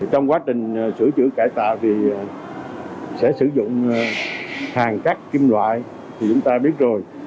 trong quá trình sửa chữa cải tạo thì sẽ sử dụng hàng cắt kim loại thì chúng ta biết rồi